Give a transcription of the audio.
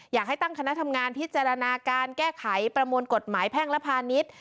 อยากให้ตั้งคณะทำงานพิจารณาการแก้ไขประมวลกฎหมายแพ่งและพาณิชย์